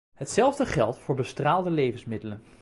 Hetzelfde geldt voor bestraalde levensmiddelen.